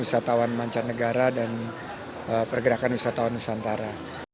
penunjukan wisatawan mancanegara dan pergerakan wisatawan usantara